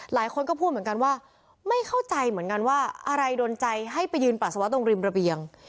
หลายคนก็พูดเหมือนกันว่าไม่เข้าใจเหมือนกันว่าอะไรโดนใจให้ไปยืนปัสสาวะตรงริมระเบียง